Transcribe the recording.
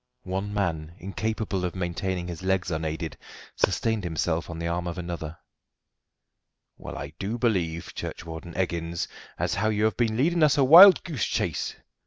One man, incapable of maintaining his legs unaided, sustained himself on the arm of another. "Well, I do believe, Churchwarden Eggins, as how you have been leading us a wild goose chase!"